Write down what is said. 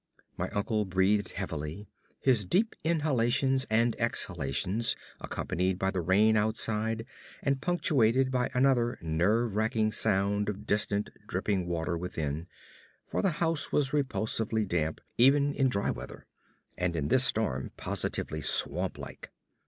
My uncle breathed heavily, his deep inhalations and exhalations accompanied by the rain outside, and punctuated by another nerve racking sound of distant dripping water within for the house was repulsively damp even in dry weather, and in this storm positively swamp like.